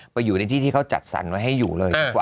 ไปอยู่ในที่ที่เขาจัดสรรไว้ให้อยู่เลยดีกว่า